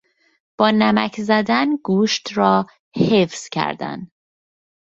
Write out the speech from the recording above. با نمک زدن گوشت را حفظ کردن